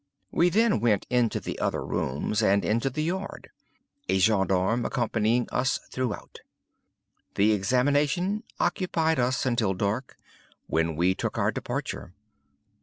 We then went into the other rooms, and into the yard; a gendarme accompanying us throughout. The examination occupied us until dark, when we took our departure.